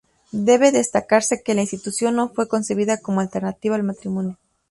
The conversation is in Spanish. Debe destacarse que la institución no fue concebida como alternativa al matrimonio.